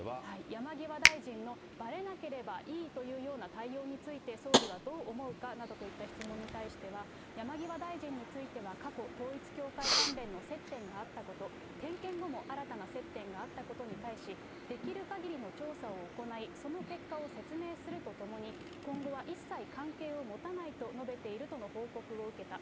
山際大臣のばれなければいいというような対応について、総理はどう思うかなどといった質問に対しては、山際大臣については、過去、統一教会関連の接点があったこと、点検後も、新たな接点があったことに対し、できるかぎりの調査を行い、その結果を説明するとともに、今後は一切関係を持たないと述べているとの報告を受けた。